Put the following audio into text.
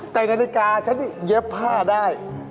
แต่นาฬิกาเฉ็บผ้าได้